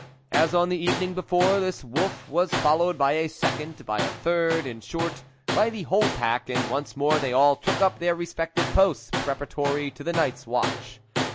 As on the even ing before, this wolf was followed by a second, by a third, in short by the whole pack, and once more they all took up their respective posts preparatory to the night's watch.